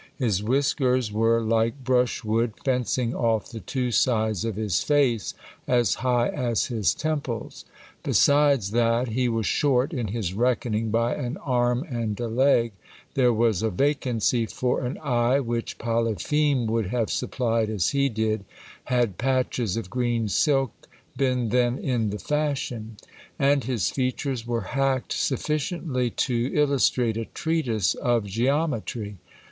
His whiskers were like brushwood, fencing off the two sides of his face as high as his temples. Besides that, he was short in his reckoning by an arm and a leg, there was a vacancy for an eye, which Polypheme would have supplied as he did, had patches of green silk been then in the fashion ; and his features were hacked sufficiently to illustrate a treatise of geometry.